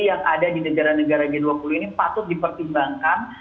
yang ada di negara negara g dua puluh ini patut dipertimbangkan